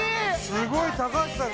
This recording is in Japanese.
すごい高橋さん